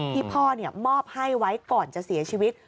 ที่พ่อมอบให้ไว้ก่อนจะเสียชีวิต